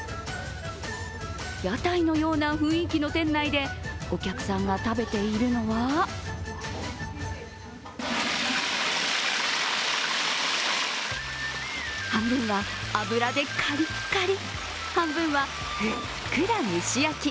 屋台のような雰囲気の店内で、お客さんが食べているのは半分は油でカリッカリ、半分はふっくら蒸し焼き。